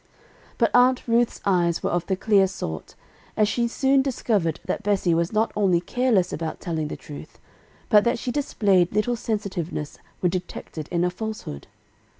But Aunt Ruth's eyes were of the clear sort, and she soon discovered that Bessie was not only careless about telling the truth, but that she displayed little sensitiveness when detected in a falsehood.